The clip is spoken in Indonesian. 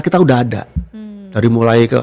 kita udah ada dari mulai ke